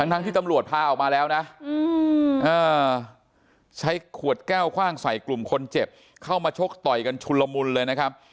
ทั้งที่ตำรวจพาออกมาแล้วนะใช้ขวดแก้วคว่างใส่กลุ่มคนเจ็บเข้ามาชกต่อยกันชุนละมุนเลยนะครับ